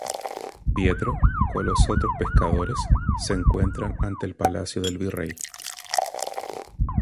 Pietro con los otros pescadores se encuentran ante el palacio del virrey.